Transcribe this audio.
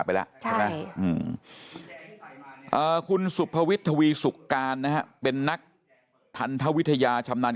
ไปละคุณสุภวิทย์ทวีสุการนะเป็นนักทันตะวิทยาชำนาญ